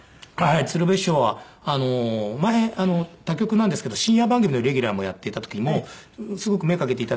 鶴瓶師匠は前他局なんですけど深夜番組のレギュラーもやっていた時もすごく目かけて頂いて。